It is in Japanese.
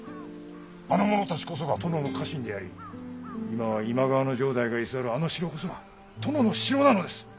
あの者たちこそが殿の家臣であり今は今川の城代が居座るあの城こそが殿の城なのです！